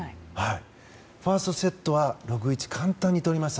ファーストセットは６対１で簡単にとりました。